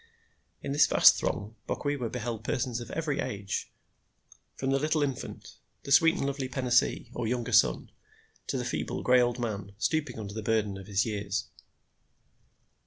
In this vast throng Bokwewa beheld persons of every age, from the little infant, the sweet and lovely penaisee, or younger son, to the feeble, gray old man, stooping under the burden of his years.